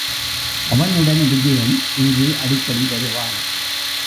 அவனுடன் விஜயன் இங்கு அடிக்கடி வருவான்.